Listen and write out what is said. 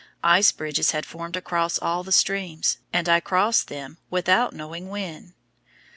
Ice bridges had formed across all the streams, and I crossed them without knowing when.